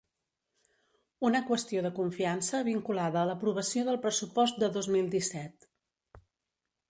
Una qüestió de confiança vinculada a l’aprovació del pressupost de dos mil disset.